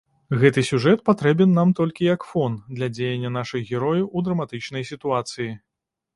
Гэты сюжэт патрэбен нам толькі як фон для дзеяння нашых герояў у драматычнай сітуацыі.